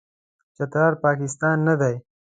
چترال، پاکستان نه دی.